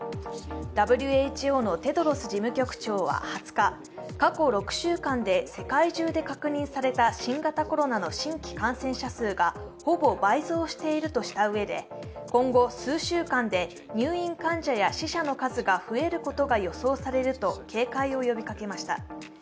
ＷＨＯのテドロス事務局長は２０日、過去６週間で世界中で確認された新型コロナの新規感染者数がほぼ倍増しているとしたうえで今後数週間で入院患者や死者の数が増えることが予想されると警戒を呼びかけました。